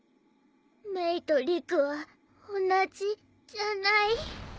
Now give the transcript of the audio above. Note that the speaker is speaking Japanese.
メイと理久は同じじゃない。